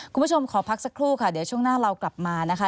คุณผู้ชมขอพักสักครู่ค่ะเดี๋ยวช่วงหน้าเรากลับมานะคะ